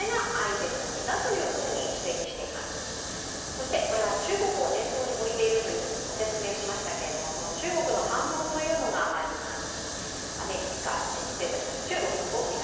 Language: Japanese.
そして、これは中国を念頭に置いているという御説明をしましたけれどもその中国の反応というのがあります。